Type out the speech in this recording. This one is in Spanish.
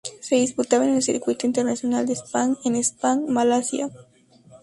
Se disputaba en el Circuito Internacional de Sepang, en Sepang, Malasia.